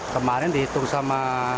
kemarin dihitung sama